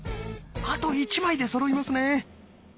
あと１枚でそろいますね。